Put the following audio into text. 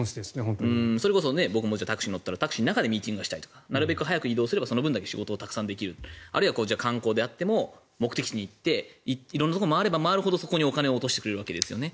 それこそ僕もタクシーに乗ったらタクシーの中でミーティングをしたりとかなるべく早く移動するとその分仕事ができるあるいは観光であっても目的地に行って色んなところ回れば回るほどそこにお金を落としてくれるわけですよね。